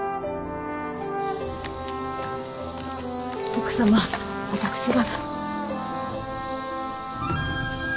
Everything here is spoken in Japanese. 奥様私が。